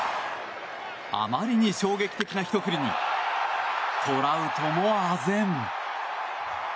あまりに衝撃的なひと振りにトラウトもあぜん。